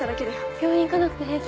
病院行かなくて平気？